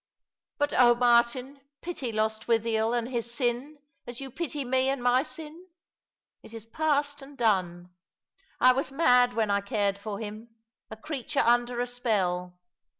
But oh, Martin, pity Lostwithiel and his sin, as you pity me and my sin ! It is past and done. I was mad when I cared for him — a creature under a spell.